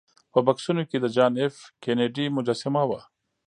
په بکسونو کې د جان ایف کینیډي مجسمه وه